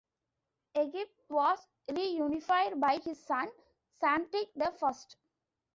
Egypt was reunified by his son Psamtik the First.